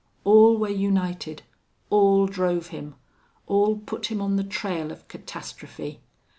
All were united, all drove him, all put him on the trail of catastrophe.